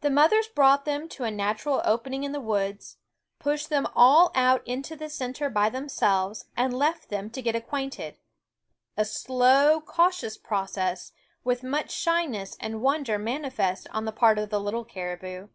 The mothers brought them to a natural opening in the woods, pushed them all out A^ ^'tev: THE WOODS * into the center by themselves, and left them to get acquainted a slow, cautious process, ft jfi r^s with much shyness and wonder manifest on f o School the part of the little caribou.